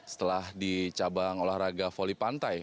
setelah di cabang olahraga voli pantai